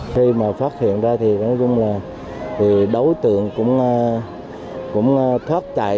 khi mà phát hiện ra thì cũng là đối tượng cũng thoát chạy